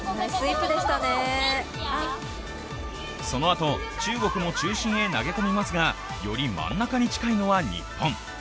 そのあと中国も中心へ投げ込みますが、より真ん中に近いのは日本。